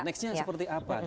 nextnya seperti apa